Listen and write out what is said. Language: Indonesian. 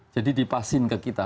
jadi dipasin ke kita